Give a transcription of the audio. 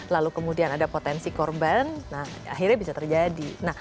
lalu kemudian ada potensi korban akhirnya bisa terjadi